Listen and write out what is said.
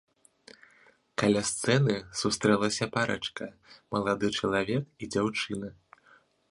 Каля сцэны сустрэлася парачка, малады чалавек і дзяўчына.